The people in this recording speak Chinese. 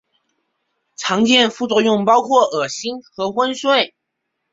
常见副作用包含恶心和昏睡。